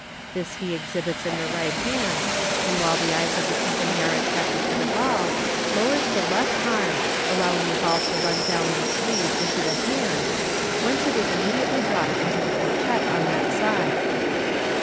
This he exhibits in the right hand, and while the eyes ot the company are attracted to the ball, lowers the left arm, allowing the ball to run down the sleeve into the h dropped into the pochette on that side.